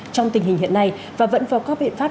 trong tình hình hiện nay và vận vọc các biện pháp